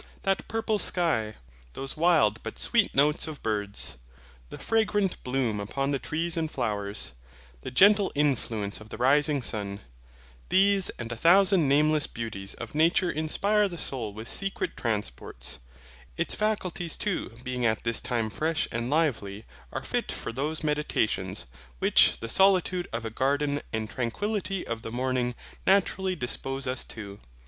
That purple sky, those wild but sweet notes of birds, the fragrant bloom upon the trees and flowers, the gentle influence of the rising sun, these and a thousand nameless beauties of nature inspire the soul with secret transports; its faculties too being at this time fresh and lively, are fit for those meditations, which the solitude of a garden and tranquillity of the morning naturally dispose us to.